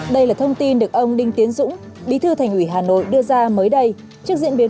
đây là thông tin được ông đinh tiến dũng bí thư thành ủy hà nội đưa ra mới đây trước diễn biến